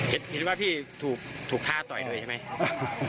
เห็นว่าพี่ถูกฆ่าต่อยด้วยใช่ไหม